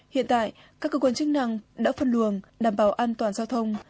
hiện tại các cơ quan chức năng đã phân luồng đảm bảo an toàn giao thông